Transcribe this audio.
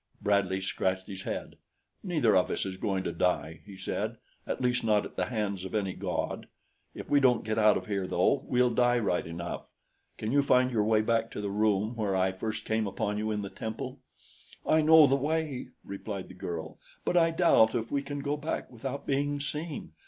Bradley scratched his head. "Neither of us is going to die," he said; "at least not at the hands of any god. If we don't get out of here though, we'll die right enough. Can you find your way back to the room where I first came upon you in the temple?" "I know the way," replied the girl; "but I doubt if we can go back without being seen.